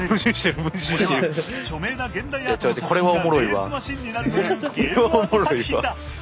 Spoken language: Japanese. これは著名な現代アートの作品がレースマシンになるというゲームアート作品だ。